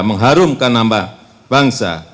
mengharumkan nama bangsa